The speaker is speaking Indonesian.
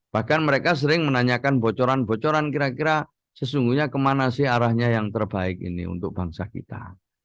bahkan mereka sering menanyakan bocoran bocoran kira kira sesungguhnya kemana sih arahnya yang terbaik ini untuk bangsa kita